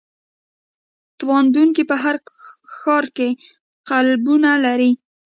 تکواندو په هر ښار کې کلبونه لري.